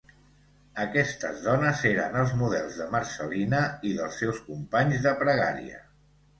Aquestes dones eren els models de Marcel·lina i dels seus companys de pregària.